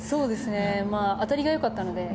当たりがよかったので。